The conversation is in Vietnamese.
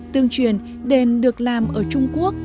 tương truyền đền được làm ở trung quốc